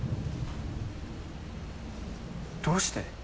どうして？